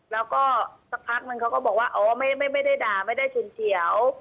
แล้วก็สักพักนึงเขาก็บอกว่าอ๋อไม่ได้ด่าไม่ได้ฉุนเฉียว